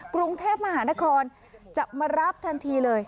กรุงเทพมหานครจะมารับทันทีเลย